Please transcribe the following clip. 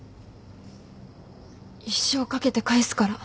一生かけて返すから。